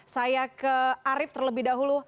saya ke arief terlebih dahulu